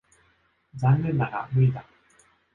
残念だが無理だ。